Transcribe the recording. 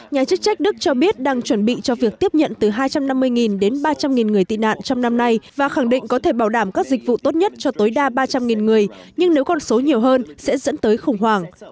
nhà chức trách đức cho biết đang chuẩn bị cho việc tiếp nhận từ hai trăm năm mươi đến ba trăm linh người tị nạn trong năm nay và khẳng định có thể bảo đảm các dịch vụ tốt nhất cho tối đa ba trăm linh người nhưng nếu con số nhiều hơn sẽ dẫn tới khủng hoảng